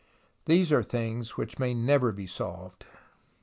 These are things which may never be solved.